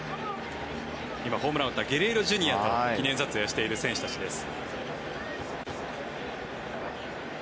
今、ホームランを打ったゲレーロＪｒ．と記念撮影をしている選手たちです。